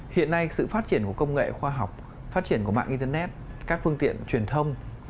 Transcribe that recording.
hiện nay sự phát triển của công nghệ khoa học phát triển của mạng internet các phương tiện truyền thông